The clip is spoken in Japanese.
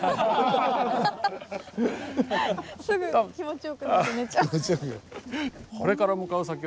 すぐ気持ちよくなると寝ちゃう。